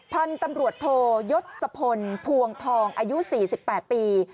พันธุ์ตำรวจโทยศพลพวงทองอายุ๔๘ปี